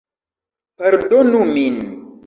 Pardonu min...